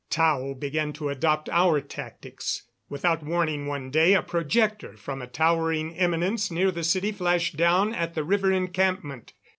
Tao began to adopt our tactics. Without warning one day a projector from a towering eminence near the city flashed down at the river encampment.